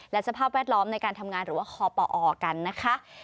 และสภาพแวดล้อมในการทำงานหรือว่าคอปอกันนะคะ